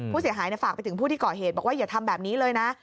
ผู้เสียหายฝากไปถึงผู้ที่ก่อเหตุบอกว่าอย่าทำแบบนี้เลยนะ